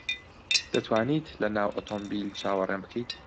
دەتوانیت لەناو ئۆتۆمۆبیل چاوەڕێم بکەیت؟